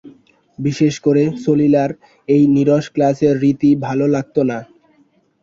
বিশেষ করে সলিলার এই নীরস ক্লাসের রীতি ভালো লাগত না।